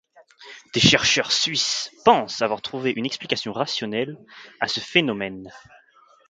Des chercheurs suisses pensent avoir trouvé une explication rationnelle à ce phénomène.